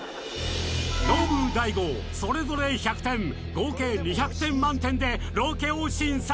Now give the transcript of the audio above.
ノブ・大悟それぞれ１００点合計２００点満点でロケを審査